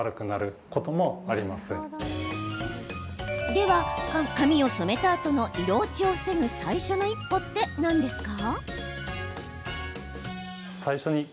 では、髪を染めたあとの色落ちを防ぐ最初の一歩って何ですか？